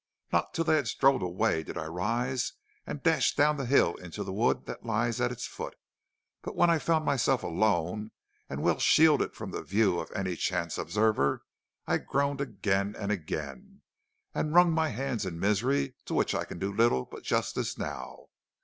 Not till they had strolled away did I rise and dash down the hill into the wood that lies at its foot, but when I felt myself alone and well shielded from the view of any chance observer, I groaned again and again, and wrung my hands in a misery to which I can do but little justice now.